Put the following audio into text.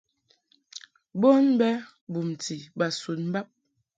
Bon bɛ bumti bas un bab.